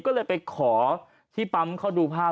ก็เลยไปขอที่ปั๊มเขาดูภาพ